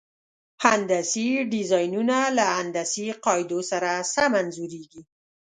هندسي ډیزاینونه له هندسي قاعدو سره سم انځوریږي.